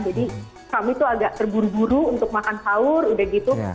jadi kami itu agak terburu buru untuk makan sahur udah gitu